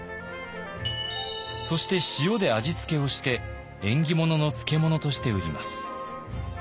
そして塩で味付けをして縁起物の漬物として売ります。